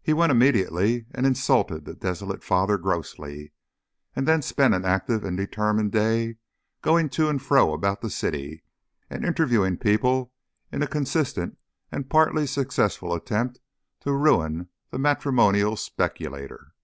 He went immediately and insulted the desolate father grossly, and then spent an active and determined day going to and fro about the city and interviewing people in a consistent and partly successful attempt to ruin that matrimonial speculator.